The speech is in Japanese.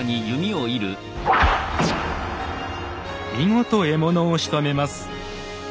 見事獲物をしとめます。